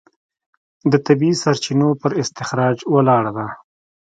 د طبیعي سرچینو پر استخراج ولاړه ده.